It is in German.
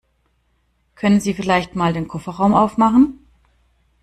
Können Sie vielleicht mal den Kofferraum aufmachen?